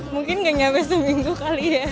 mungkin gak nyabes seminggu kali ya